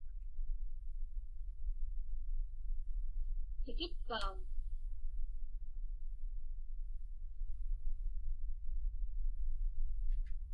Tikitpauŋ?